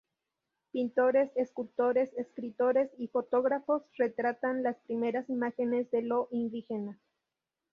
Pintores, escultores, escritores y fotógrafos retrataron las primeras imágenes de lo indígena.